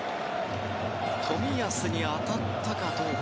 冨安に当たったかどうか。